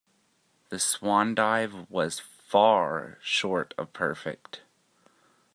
The swan dive was far short of perfect.